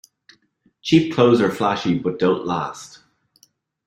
Cheap clothes are flashy but don't last.